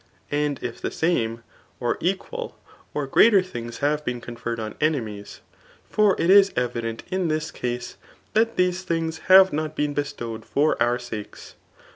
And if the sanEie^ or equaU or greater! things have been confen^d on enenoes; for it is evident ki i this c^e, thiat> Aese choigs have .not. beeb bestOD^ed £br our sakes.